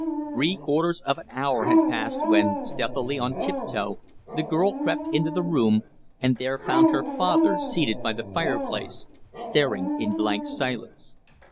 Three quarters of an hour had passed when, stealthily on tiptoe, the girl crept into the room, and there found her father seated by the fireplace, staring in blank silence.